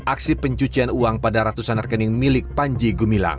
aksi pencucian uang pada ratusan rekening milik panji gumilang